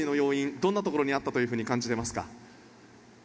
どんなところにあったと感じていますか。